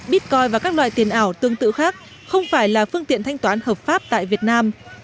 bitcoin và các loại tiền ảo tương tự khác không phải là phương tiện thanh toán hợp pháp tại việt nam